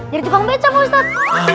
dari jepang becam pak ustadz